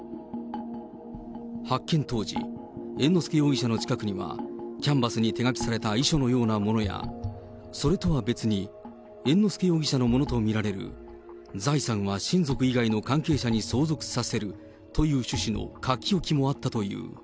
発見当時、猿之助容疑者の近くには、キャンバスに手書きされた遺書のようなものや、それとは別に、猿之助容疑者のものと見られる、財産は親族以外の関係者に相続させるという趣旨の書き置きもあったという。